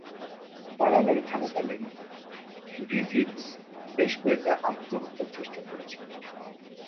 কারাগারে থাকাকালীন গ্রিফিথস বেশ কয়েকবার আত্মহত্যার চেষ্টা করেছেন।